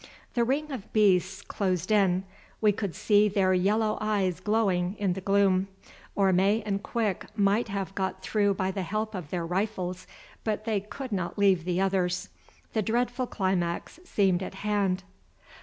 The ring of beasts closed in—we could see their yellow eyes glowing in the gloom. Orme and Quick might have got through by the help of their rifles, but they could not leave the others. The dreadful climax seemed at hand.